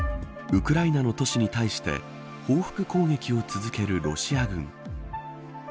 ウクライナの都市に対して報復攻撃を続けるロシア軍。